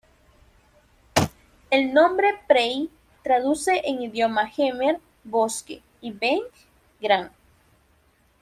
El nombre ""Prey"" traduce en Idioma jemer "Bosque" y ""Veng"", "Gran".